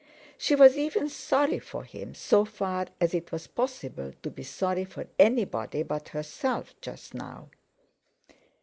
She was even sorry for him so far as it was possible to be sorry for anybody but herself just now.